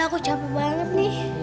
aku campur banget nih